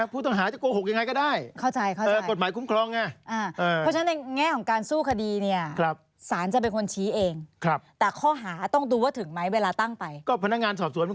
ผู้ต่างหาจะโกหกอย่างไรก็ได้